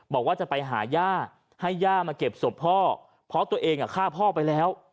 บอกว่าจะไปหาย่าให้ย่ามาเก็บศพพ่อเพราะตัวเองฆ่าพ่อไปแล้ว